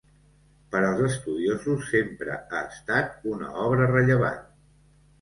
Per als estudiosos sempre ha estat una obra rellevant.